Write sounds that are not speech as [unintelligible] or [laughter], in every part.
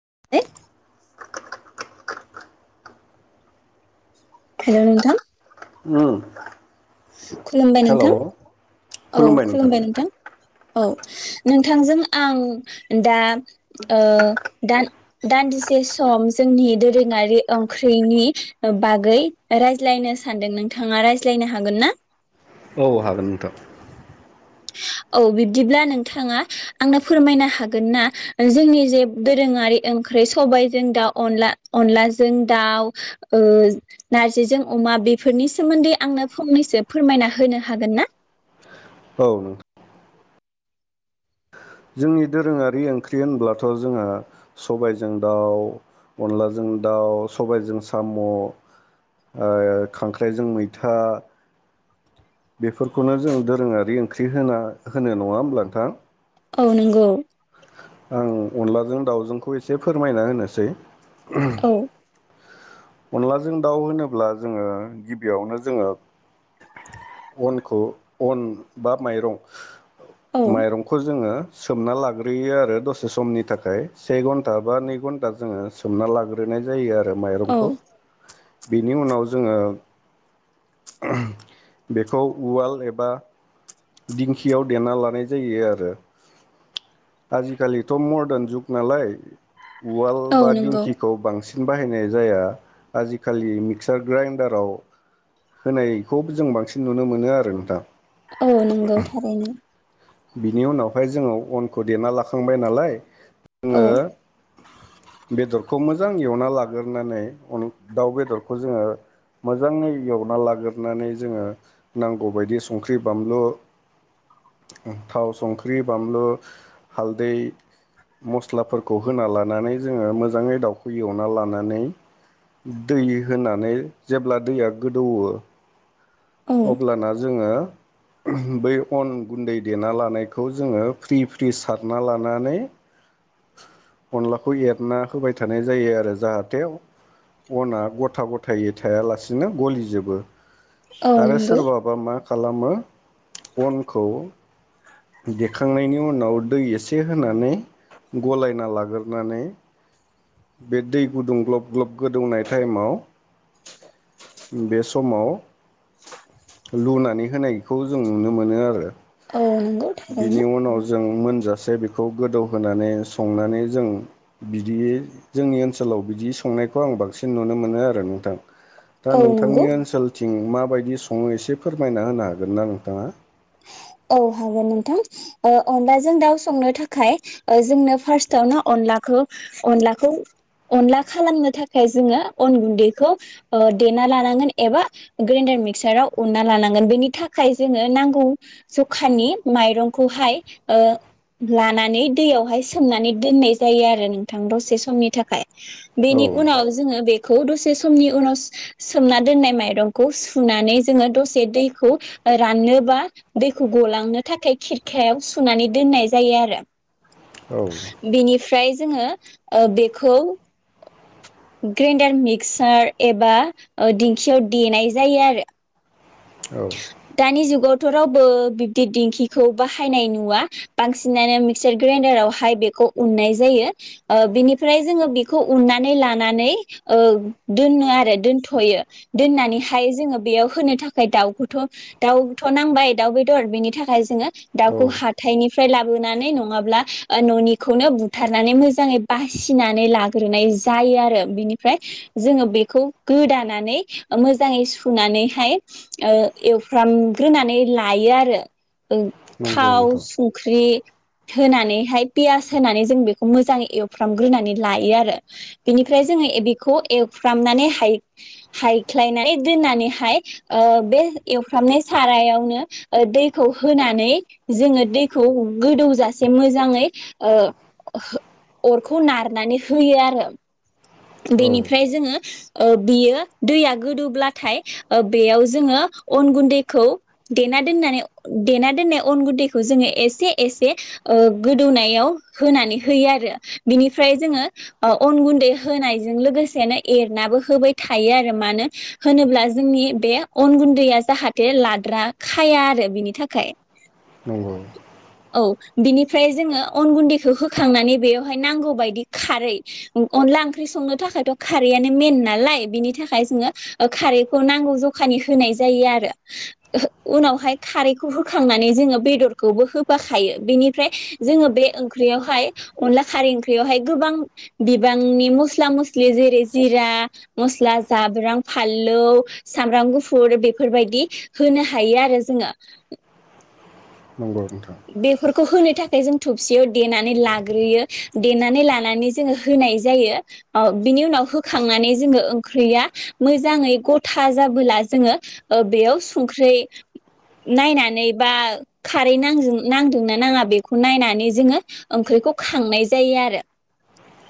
[unintelligible] Hello नोंथां उम खुलुमबाय नोंथां हेल' औ खुलुमबाय नोंथां औ नोंथांजों आं दा ओ दा ओ दान-दान्दिसे सम जोंनि दोरोङारि ओंख्रिनि बागै रायज्लायनो सानदों नोंथाङा रायज्लायनो हा हागोन ना? औ हागोन नोंथां। औ बिब्दिब्ला नोंथाङा आंनो फोरमायनो हागोन ना जोंनि जे दोरोङारि ओंख्रि सबायाइजों दाउ अनला अनलाजों दाउ ओ नारजिजों अमा बेफोरनि सोमोन्दै आंनो फंनैसो फोरमायना होनो हागोन ना? औ। जोंनि दोरोङारि ओंख्रि होनब्लाथ जोङो सबायजों दाउ अनलाजों दाउ सबायजों साम' ओ खांख्राइजों मैथा बेफोरखौनो जों दोरोङारि ओंख्रि होना होनो नङा होमब्ला नोंथां। औ नंगौ। आं अनलाजों दाउजोंखौ एसे फोरमायना होनोसै। [unintelligible] औ अनलाजों दाउ होनोब्ला जोङो गिबियावनो जोङो अनखौ अन बा माइरं औ माइरंखौ जोङो सोमना लाग्रो यो आरो दसे समनि थाखाय से घन्टा बा नै घन्टा जोङो सोमना लाग्रोनाय जायो आरो बे औ माइरंखौ बेनि उनाव जोङो बेखौ उवाल एबा दिंखियाव देना लानाय जायो आरो आजिखालिथ' मदार्न जुग नालाय उवाल औ बा नंगौ दिंकिखौ बांसि सिन बाहायनाय जाया आजिखालि मिक्सार ग्राइडाराव होनायखौ जों बांसिन नुनो मोनो आरो नोंथां। औ नोंगौ थारैनो बिनि उनावहाय जोङो अनखौ देना लाखांबाय नालाय औ जोङो बेदर खौ मोजां एवना लाग्रोनानै दाउ बेदरखौ जोङो मोजाङै एवना लाग्रोनानै जोङो नांगौबायदि संख्रि बानलु थाव संख्रि बानलु हालदै मस्लाफोरखौ होना लानानै जोङो मोजाङै दाउखौ एवना लानानै दै होनानै जेब्ला दैया गोदौवो औ अब्लाना जोङो बै अन गुन्दै देना लानायखौ जोङो फ्रि फ्रि सारना लानानै अनलाखौ एरना होबाय थानाय जायो आरो जाहाथे अना गथा ग'थायै थायालासेनो गलिजोबो औ आरो नंगौ सोरबाबा मा खालामो अनखौ देखांनायनि उनाव दै एसे होनानै गलायना लाग्रोनानै बे दै गुदुं ग्लब ग्लब गोदौनाय टाइमाव बे समाव लुनानै होनायखौ जों नुनो मोनो आरो औ नंगौ बिनि थारैनो उनाव जों मोनजासे बेखौ गोदौहोनानै संनानै जों बिदि जोंनि ओनसोलाव बिदि संनायखौ आं बांसिन नुनो मोनो आरो नोंथां। दा औ नंगौ नोंथांनि ओनसोल थिं माबायदि सङो एसे फोरमायना होनो हागोन ना नोंथाङा औ हागोन नोंथां अनलाजों दाउ संनो थाखाय जोंनो फार्स्टआवनो अनलाखौ अनलाखौ अनला खालामनो थाखाय जोङो अन गुन्दैखौ देना लानांगोन एबा ग्राइडार मिक्साराव उनना लानांगोन बेनि थाखाय जोङो नांगौ जखानि माइरंखौहाय ओ लानानै दैयावहाय सोमनानै दोननाय जायो आरो नोंथां दसे समनि थाखाय औ बेनि उनाव जोङो बे खौ दसे समनि उनाव सोमना दोननाय माइरंखौ सुनानै जोङो दसे दैखौ राननोबा दैखौ गलांनो थाखाय खिरखायाव सुनानै दोननाय जायो आरो औ बेनिफ्राय जोङो ओ बेखौ ग्राइडार मिक्सार एबा दिंखियाव देनाय जायो आरो औ दानि जुगावथ' रावबो बिब्दि दिंखिखौ बाहायनाय नुवा बांसिनानो मिक्सार ग्राइडारावहाय बेखौ उननाय जायो ओ बेनिफ्राय जोङो बेखौ उन्नानै लानानै दोनो आरो दोनथ'यो दोननानैहाय जोङो बेयाव होनो थाखाय दाउ थ' दाउथ' नांबाय दाउ बेदर बेनि थाखाय जोङो औ दाउखौ हाथायनिफ्राय लाबोनानै नङाब्ला न'निखौनो बुथारनानै मोजाङै बासिनानै लाग्रोनाय जायो आरो बिनिफ्राय जोङो बेखौ गोदानानै मोजाङै सुनानैहाय ओ एवफ्रामग्रोनानै लायो आरो नंगौ थाव नोंथां संख्रि होनानैहाय पियास होनानै जों बेखौ मोजाङै एवफ्रामग्रोनानै लायो आरो बेनिफ्राय जोङो बेखौ एवफ्रामनानै हाय हायख्लायनानै दोननानैहाय ओ बे एवफ्रामनाय सारायावनो दैखौ होनानै जोङो दैखौ गोदौजासे मोजाङै ओ अरखौ नारनानै होयो आरो औ बेनिफ्राय जोङो ओ बियो दैया गोदौब्लाथाय ओ बेयाव जोङो अन गुन्दैखौ देना दोननानै देना दोननाय अन गुन्दैखौ जोङो एसे एसे ओ गोदौनायाव होनानै होयो आरो बिनिफ्राय जोङो अन गुन्दै होनायजों लोगोसेनो एरनाबो होबाय थायो आरो मानो होनोब्ला जोंनि बे अन गुन्दैया जाहाथे लाद्रा खाया आरो बिनि थाखाय नंगौ औ बिनिफ्राय जोङो अन गुन्दैखौ होखांनानै बेवहाय नांगौ बायदि खारै अनला ओंख्रि संनो थाखायथ' खारैआनो मेन नालाय बिनि थाखाय जोङो खारैखौ नांगौ जखानि होनाय जायो आरो [inaudible] उनावहाय खारैखौ होखांनानै जोङो बेदरखौबो होफाखायो बेनिफ्राय जोङो बे ओंख्रियावहाय अनला खारै ओंख्रियावहाय गोबां बिबांनि मस्ला मस्लि जेरै जिरा मस्ला जाब्रां फानलौ सामब्राम गुफुर बे फोरबायदि होनो हायो आरो जोङो। नंगौ नोंथां बेफोरखौ होनो नि थाखाय जों थबसेयाव देनानै लाग्रोयो देनानै लानानै जोङो होनाय जायो ओ बिनि उनाव होखांनानै जोङो ओंख्रिया मोजाङै गथा जाबोला जोङो ओ बेयाव संख्रै नायनानै बा खारै नां नांदोंना नाङा बेखौ नायनानै जोङो ओंख्रिखौ खांनाय जायोआरो।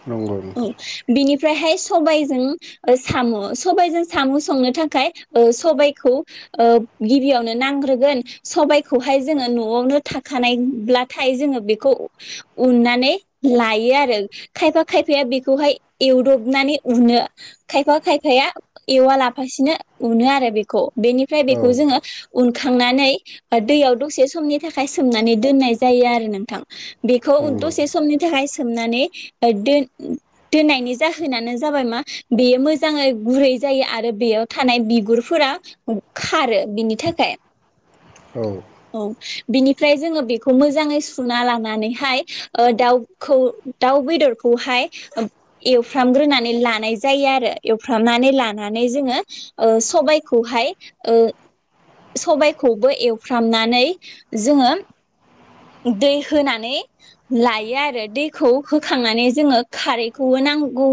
नंगौ औ नोंथां बिनि फ्रायहाय सबायजों ओ साम' सबायजों साम' संनो थाखाय ओ सबायाइखौ गिबियावनो नांग्रोगोन सबायखौहाय जोङो न'आवनो थाखानायब्लाथाय जोङो बेखौ उननानै लायोआरो खायफा खायफाया बेखौहाय एवदबनानै उनो खायफा खायफाया एवा लाफासिनो उनोआरो बेखौ। बेनिफ्राय औ बेखौ जोङो उनखांनानै बा दैयाव दसे समनि थाखाय सोमनानै दोननाय जायो आरो नोंथां। बेखौ नंगौ दसे समनि थाखाय सोमनानै दोन दोननायनि जाहोनानो जाबाय मा बेयो मोजाङै गुरै जायो आरो बेयाव थानाय बिगुरफोरा खारो बिनि थाखाय। औ। औ बिनिफ्राय जोङो बेखौ मोजाङै सुना लानानैहाय ओ दाउ खौ दाउ बेदर खौहाय एवफ्रामग्रोनानै लानाय जायोआरो एवफ्रामनानै लानानै जोङो ओ सबाखौहाय ओ सबायाइखौबो एवफ्रामनानै जोङो दै होनानै लायो आरो दैखौ होखांनानै जोङो खारैखौबो नांगौ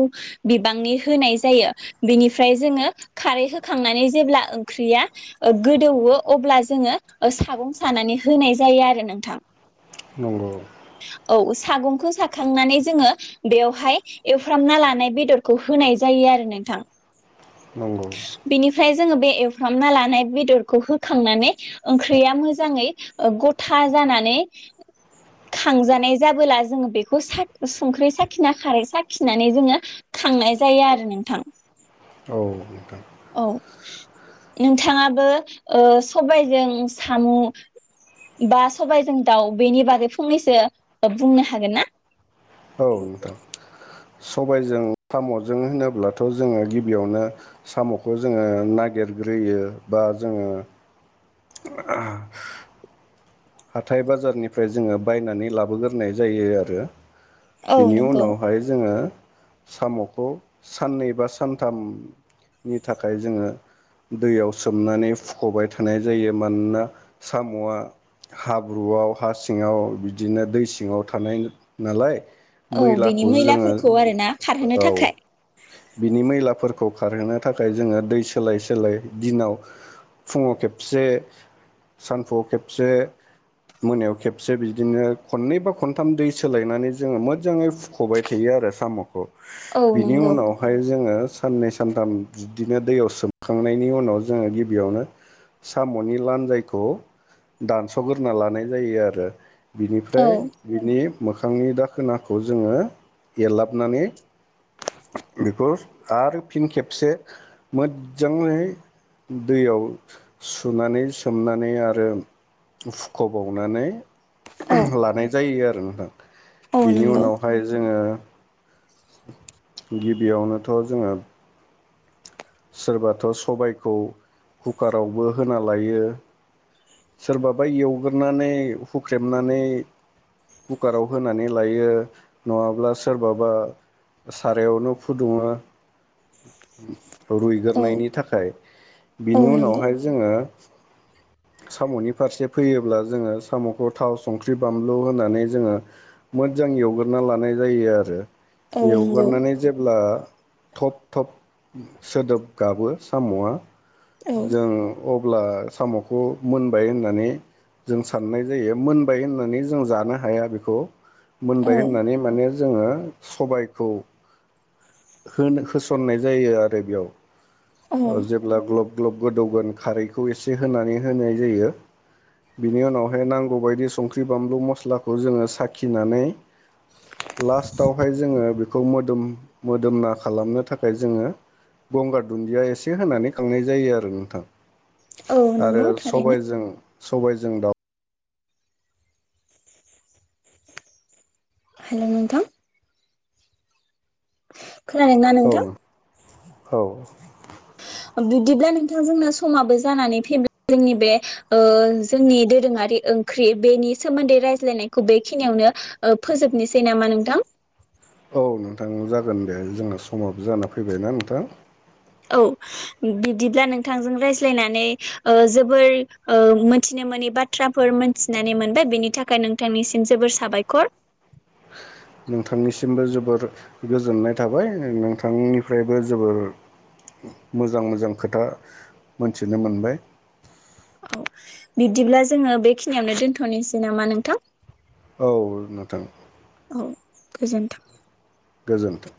बिबांनि होनाय जायो बेनिफ्राय जोङो खारै होखांनानै जेब्ला ओंख्रिया ओ गोदौयो अब्ला जोङो सागं सानानै होनाय जायोआरो नोंथां। नंगौ। औ सागंखौ साखांनानै जोङो बेवहाय एवफ्रामना लानाय बेदरखौ होनाय जायोआरो नोंथां। नंगौ। इनिफ्राय जोङो बे एवफ्रामना लानाय बेदरखौ होखांनानै ओंख्रिया मोजाङै ओ गथा जानानै खांजानाय जाबोला जोङो बेखौ साख संख्रै साखिना खारै साखिनानै जोङो खांनाय जायो आरो नोंथां। औ नोंथां। औ नोंथाङाबो ओ सबायजों साम' बा सबायजों दाउ बेनि बागै फंनैसो बुंनो हागोन ना? औ नोंथां। सबायजों साम'जों होनोब्लाथ' जोङो गिबियावनो साम'खौ जोङो नागिरग्रोयो बा जोङो आह हाथाय बाजारनिफ्राय जोङो बायनानै लाबोगोरनाय जायो आरो। औ बिनि नंगौ उनावहाय जोङो साम'खौ साननै बा सानथाम नि थाखाय जोङो दैयाव सोमनानै फुख'बाय थानाय जायो मानोना साम'आ हाब्रुआव हा सिङाव बिदिनो दै सिङाव थानाय नालाय औ बिनि मैलाखौ जोङो मैलाफोरखौ आरो ना खारहोनो औ थाखाय। बिनि मैलाफोरखौ खारहोनो थाखाय जोङो दै सोलाय सोलाय दिनाव फुङाव खेबसे सानफुआव खेबसे मोनायाव खेबसे बिदिनो खननै बा खनथाम दै सोलायनानै जोङो मोजाङै फुख'बाय थायो आरो साम'खौ। औ बिनि नंगौ उनावहाय जोङो साननै सानथाम बिदिनो दैयाव सोमखांनायनि उनाव जोङो गिबियावनो साम'नि लान्जायखौ दानस गोरना लानाय जायो आरो। औ बिनिफ्राय बिनि मोखांनि दाखोनाखौ जोङो एरलाबनानै बेखौ आरो फिन खेबसे मोज्जाङै दैयाव सुनानै सोमनानै आरो फुख'बावनानै औ उहुम लानाय जायो आरो [unintelligible] औ बिनि नंगौ उनावहाय जोङो गिबियावनोथ' जोङो सोरबाथ' सबायखौ कुकारावबो होना लायो सोरबाबा एवगोरनानै हुख्रेमनानै कुकाराव होनानै लायो नङाब्ला सोरबाबा सारायावनो फुदुङो। औ रुइगोरनायनि थाखाय औ बिनि नंगौ उनावहाय जोङो साम'नि फारसे फैयोब्ला जोङो साम'खौ थाव संख्रि बानलु होनानै जोङो मोजां एवग्रोना लानाय जायो आरो। औ नंगौ एवगोरनानै जेब्ला थब थब [inaudible] सोदोब गाबो साम'आ औ जों अ ब्ला साम'खौ मोनबाय होननानै जों साननाय जायो, मोनबाय होननानै जों जानो हाया बेखौ औ मोनबाय होननानै माने जोङो सबायखौ होनो-होसननाय जायो आ रो बियाव औ ओ जेब्ला ग्लब ग्लब गोदौगोन खारैखौ एसे होनानै होनाय जायो। बिनि उनावहाय नांगौबायदि संख्रि बानलु मस्लाखौ जोङो साखिनानै लास्टावहाय जोङो बे- खौ मोदोम मोदोमना खालामनो थाखाय जोङो गंगार दुन्दिया एसे होनानै खांनाय जायो आरो नोंथां। औ नोंगौ आरो थारैनो। सबायजों सबायजों दाउ हेलौ नोंथां खोनादोंना औ नोंथां? औ बिदिब्ला नोंथां जोंना समाबो जानानै फैबाय जोंनि बे ओ जोंनि दोरोङारि ओंख्रि बेनि सोमोन्दै रायज्लायनायखौ बेखिनियावनो ओ फोजोबनोसै नामा नोंथां? औ नोंथां जागोन दे जोंना समाबो जाना फैबायना नोंथां। औ बिदिब्ला नोंथांजों रायज्लायनानै ओ जोबोर ओ मोनथिनो मोनि बाथ्राफोर मोनथिनानै मोनबाय बिनि थाखाय नोंथांनिसिम जोबोर साबायखर। नोंथांनिसिमबो जोबोर गोजोननाय थाबाय नों-नोंथांनिफ्रायबो जोबोर मोजां मोजां खोथा मोनथिनो मोनबाय। औ बिदिब्ला जोङो बेखिनियावनो दोनथ'नोसै नामा नोंथां? औ नोंथां। औ गोजोन्थों। गोजोन्थों।